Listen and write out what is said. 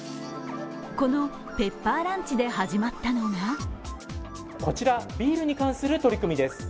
このペッパーランチで始まったのがこちら、ビールに関する取り組みです。